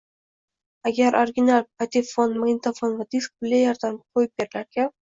aynan original patefon, magnitofon va disk pleyerdan qo‘yib berilarkan.